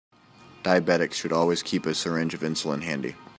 Diabetics should always keep a syringe of insulin handy.